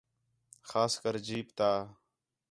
خاص کر جیپ تا